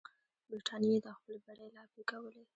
برټانیې د خپل بری لاپې کولې.